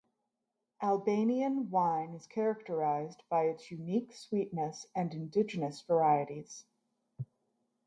Albanian wine is characterized by its unique sweetness and indigenous varieties.